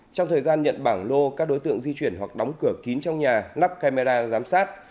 trong thời gian nhận bảng lô các đối tượng di chuyển hoặc đóng cửa kín trong nhà lắp camera giám sát